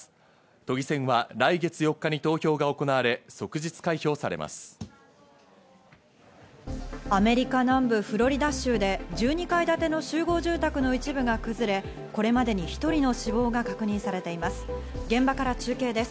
都議選は来月４日に投票が行アメリカ南部フロリダ州で１２階建ての集合住宅の一部が崩れ、これまでに１人の死亡が確認されています。